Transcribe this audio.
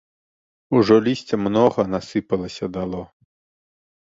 Ужо лісця многа насыпалася дало.